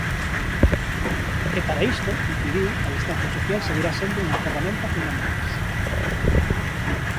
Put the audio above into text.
E para isto, incidiu a distancia social seguirá sendo unha ferramenta fundamental.